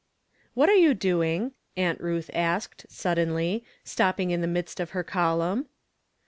"What are you doing?" Aunt Ruth asked, suddenly, stopping in the midst of her column.